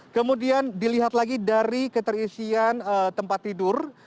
kemudian dilihat lagi dari keterisian tempat tidur